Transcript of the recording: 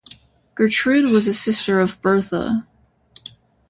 Gertrude was a sister of Bertha.